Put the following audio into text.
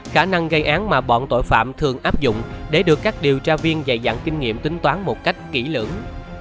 khả năng gây án mà bọn tội phạm thường áp dụng để được các điều tra viên dày dặn kinh nghiệm tính toán một cách kỹ lưỡng